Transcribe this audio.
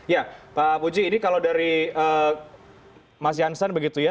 ya pak puji ini kalau dari mas jansan begitu ya